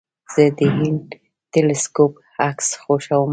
زه د هبل ټېلسکوپ عکس خوښوم.